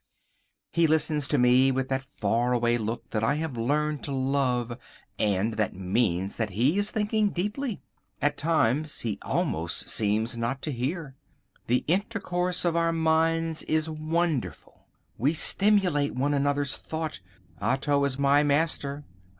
He listens to me with that far away look that I have learned to love and that means that he is thinking deeply; at times he almost seems not to hear. The intercourse of our minds is wonderful. We stimulate one another's thought. Otto is my master.